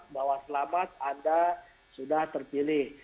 bahwa selamat anda sudah terpilih